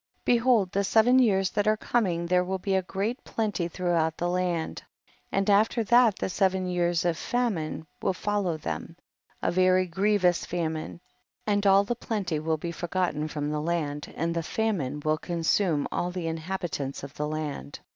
55. Behold the seven years that are coming there will be a great plenty throughout the land, and after that the seven years of famine will follow them, a very grievous famine, and all the plenty will be forgotten from the land, and "the famine will con sume all the inhabitants of the land.